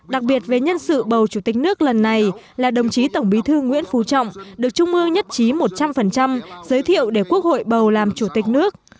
đặc biệt về nhân sự bầu chủ tịch nước lần này là đồng chí tổng bí thư nguyễn phú trọng được trung ương nhất trí một trăm linh giới thiệu để quốc hội bầu làm chủ tịch nước